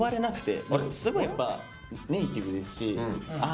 すごいやっぱネイティブですしあ